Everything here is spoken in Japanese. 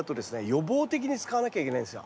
予防的に使わなきゃいけないんですよ。